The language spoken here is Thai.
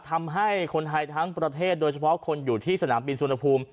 ทำให้คนไทยทั้งประเทศโดยเฉพาะคนอยู่ที่สนามบินสุวรรณภูมิ